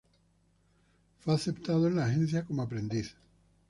Fue aceptado en la agencia como aprendiz.